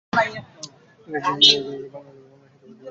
তিনি ওই কলেজের বাংলা ও বাংলা সাহিত্য বিভাগে ডিন পদে অবসর নেন।